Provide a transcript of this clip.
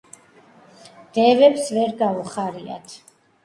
დევებს ვერ გაუხარიათ